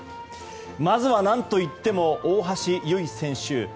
まずは何といっても大橋悠依選手。